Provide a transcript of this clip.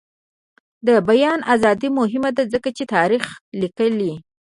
د بیان ازادي مهمه ده ځکه چې تاریخ لیکي.